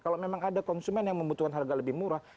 kalau memang ada konsumen yang membutuhkan harga lebih murah